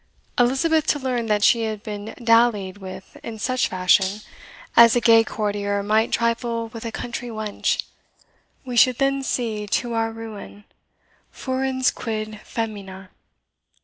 Elizabeth to learn that she had been dallied with in such fashion, as a gay courtier might trifle with a country wench we should then see, to our ruin, FURENS QUID FAEMINA!"